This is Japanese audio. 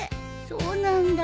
そうなんだ。